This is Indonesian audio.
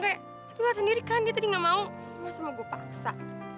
tapi lo lihat sendiri kan dia tadi nggak mau masa mau gue paksa